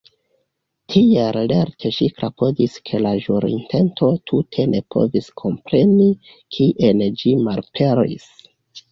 Tiel lerte ŝi klopodis ke la ĵurinteto tute ne povis kompreni kien ĝi malaperis.